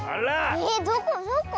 えっどこどこ？